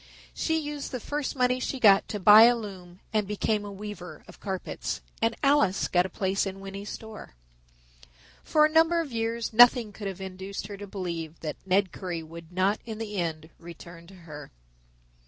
She used the first money she got to buy a loom and became a weaver of carpets, and Alice got a place in Winney's store. For a number of years nothing could have induced her to believe that Ned Currie would not in the end return to her.